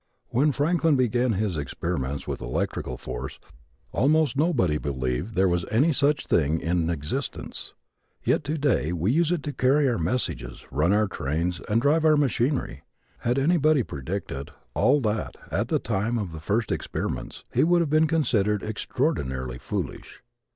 When Franklin began his experiments with electrical force almost nobody believed there was any such thing in existence. Yet today we use it to carry our messages, run our trains and drive our machinery. Had anybody predicted all that at the time of the first experiments he would have been considered extraordinarily foolish.